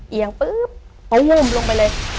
เอียงปุ๊บเขาวุ้มลงไปเลย